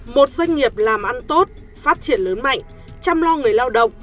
một doanh nghiệp làm ăn tốt phát triển lớn mạnh chăm lo người lao động